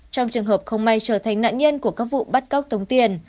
trong trường hợp không may trở thành nạn nhân của các vụ bắt cóc tống tiền